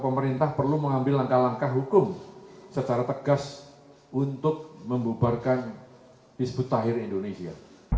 pemerintah perlu mengambil langkah langkah hukum secara tegas untuk membubarkan hizbut tahir indonesia